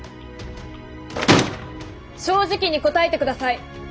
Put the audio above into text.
正直に答えてください。